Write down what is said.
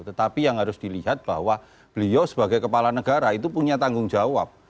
tetapi yang harus dilihat bahwa beliau sebagai kepala negara itu punya tanggung jawab